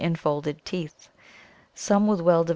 infolded teeth; some with well devcl FlO.